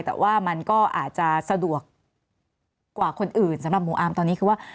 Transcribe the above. แต่ว่ามันก็อาจจะสะดวกกว่าคนอื่นสำหรับหมู่อาร์มตอนนี้คือว่า